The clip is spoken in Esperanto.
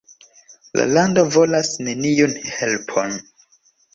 La lando volas neniun helpon.